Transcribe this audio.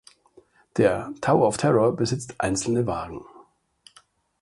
Der Tower of Terror besitzt einzelne Wagen.